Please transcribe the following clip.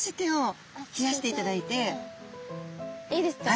いいですか？